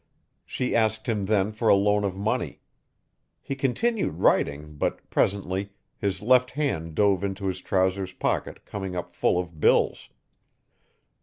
She asked him then for a loan of money. He continued writing but, presently, his left hand dove into his trousers pocket coming up full of bills.